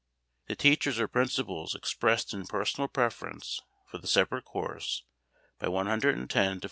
The teachers or principals expressed a personal preference for the separate course by 110 to 42.